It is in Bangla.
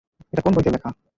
এটা কোন বইতে লেখা?